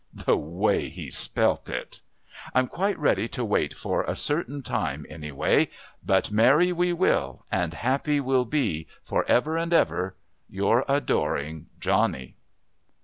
(The way he spelt it.) I'm quite ready to wait for a certain time anyway. But marry we will, and happy we'll be for ever and ever! Your adoring JOHNNY.